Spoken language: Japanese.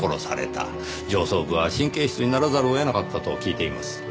上層部は神経質にならざるを得なかったと聞いています。